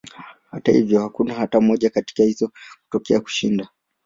Hata hivyo, hakuna hata moja katika hizo kutokea kushinda.